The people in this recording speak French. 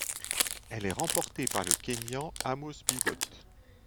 Elle est remportée par le Kényan Amos Biwott.